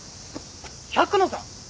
百野さん！